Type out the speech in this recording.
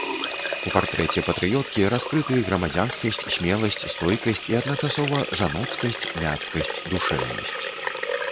У партрэце патрыёткі раскрыты грамадзянскасць, смеласць, стойкасць і адначасова жаноцкасць, мяккасць, душэўнасць.